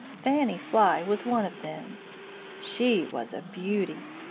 Fanny Fly was one of them. She was a beauty.